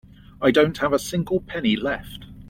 I don't have a single penny left.